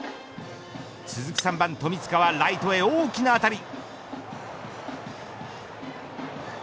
続く３番富塚はライトへ大きな当たり。